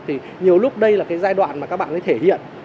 thì nhiều lúc đây là cái giai đoạn mà các bạn ấy thể hiện